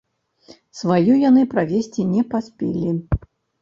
Сваю яны правесці не паспелі.